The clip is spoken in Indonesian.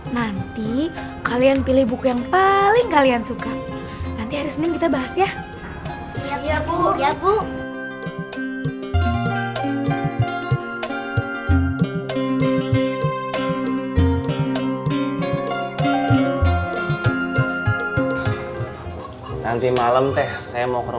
nanti kalian pilih buku yang paling kalian suka nanti hari senin kita bahas ya iya bu